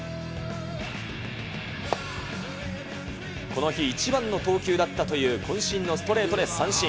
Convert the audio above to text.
この日一番の投球だったというこん身のストレートで三振。